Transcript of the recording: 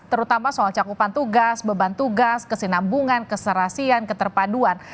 terutama soal cakupan tugas beban tugas kesinambungan keserasian keterpaduan